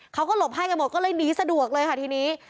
เขาก็หลบให้กันหมดก็เลยหนีสะดวกเลยค่ะทีนี้